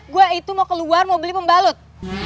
gue itu mau keluar mau beli pembalut